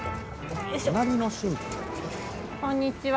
こんにちは。